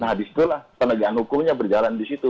nah di situlah penegahan hukumnya berjalan di situ